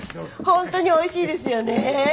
ホントにおいしいですよね。